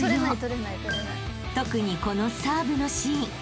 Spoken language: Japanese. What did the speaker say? ［特にこのサーブのシーン］